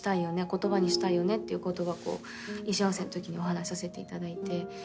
言葉にしたいよねっていうことは衣装合わせのときにお話しさせていただいて。